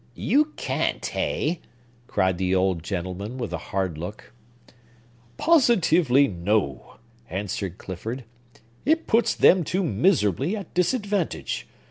"You can't, hey?" cried the old gentleman, with a hard look. "Positively, no!" answered Clifford. "It puts them too miserably at disadvantage.